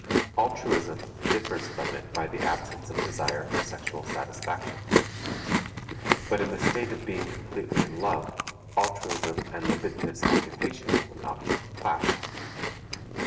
Altruism differs from it by the absence of desire for sexual satisfaction. But in the state of being completely in love, altruism and libidinous occupation with an object clash.